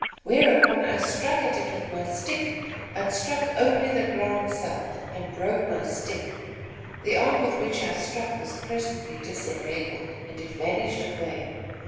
"Whereupon, I struck at it with my stick, but struck only the ground sel, and broke my stick. The arm with which I struck was presently disenabled, and it vanished away.